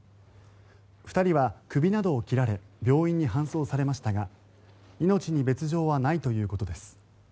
２人は首などを切られ病院に搬送されましたが命に別条はないということです。